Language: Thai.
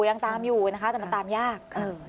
ยังตามอยู่นะคะแต่มันตามยาก